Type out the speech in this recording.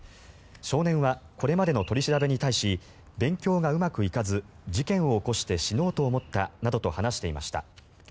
少年はこれまでの取り調べに対し勉強がうまくいかず事件を起こして死のうと思ったなどと話していました。